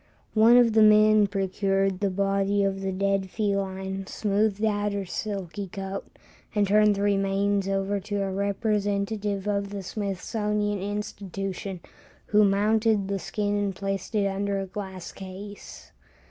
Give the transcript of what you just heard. One of the men procured the body of the dead feline, smoothed out her silky coat, and turned the remains over to a representative of the Smithsonian Institution, who mounted the skin and placed it under a glass case.